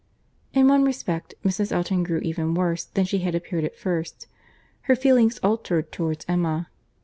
In one respect Mrs. Elton grew even worse than she had appeared at first. Her feelings altered towards Emma.